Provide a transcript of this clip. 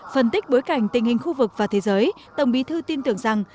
phân tích bối cảnh tình hình khu vực và thế giới tổng bí thư tin tưởng rằng